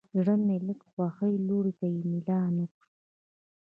زړه مې لږ د خوښۍ لور ته میلان وکړ.